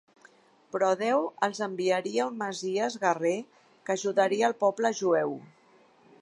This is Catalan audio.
Però Déu els enviaria un Messies guerrer que ajudaria al poble jueu.